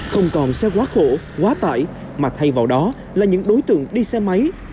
không còn xe quá khổ quá tải mà thay vào đó là những đối tượng đi xe máy